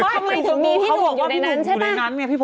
ทำไมถึงมีพี่หนุ่มอยู่ในนั้นใช่ปะ